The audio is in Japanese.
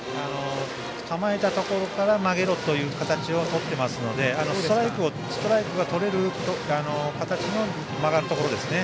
構えたところから曲げろという形をとっていますのでストライクがとれる形の曲がるところですね。